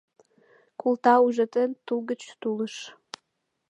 Колта ужатен тул гыч тулыш